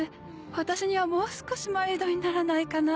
私にはもう少しマイルドにならないかなぁ。